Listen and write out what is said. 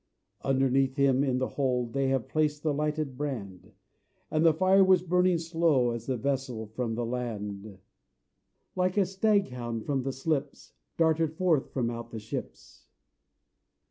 Underneath him in the hold They have placed the lighted brand; And the fire was burning slow As the vessel from the land, Like a stag hound from the slips, Darted forth from out the ships.